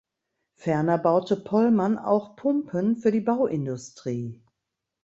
Ferner baute Pollmann auch Pumpen für die Bauindustrie.